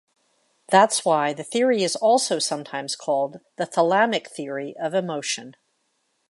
That's why the theory is also sometimes called the thalamic theory of emotion.